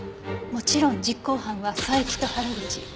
もちろん実行犯は佐伯と原口。